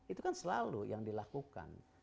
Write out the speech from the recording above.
itu kan selalu yang dilakukan